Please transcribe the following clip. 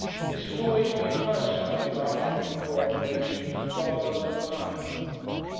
This has always been her side of our mental co operation rather than mine.